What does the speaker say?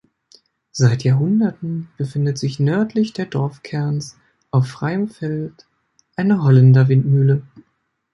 Seit Jahrhunderten befindet sich nördlich der Dorfkerns auf freiem Feld eine Holländerwindmühle.